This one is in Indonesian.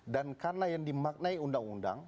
karena yang dimaknai undang undang